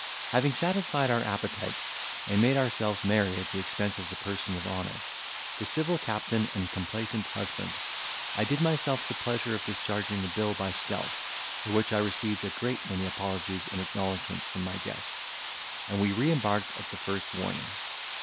Having satisfied our appetites, and made ourselves merry at the expense of the person of honour, the civil captain, and complaisant husband, I did myself the pleasure of discharging the bill by stealth, for which I received a great many apologies and acknowledgments from my guests, and we re embarked at the first warning.